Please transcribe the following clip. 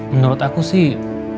menurut aku sih